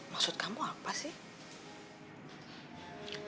maksud kamu apa sih